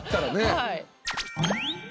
はい。